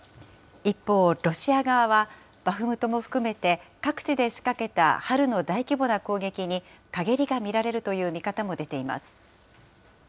一方、ロシア側はバフムトも含めて各地で仕掛けた春の大規模な攻撃にかげりが見られるという見方も出ています。